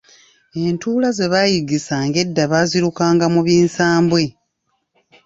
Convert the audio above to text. Entuula ze baayiggisanga edda baazirukanga mu binsambwe.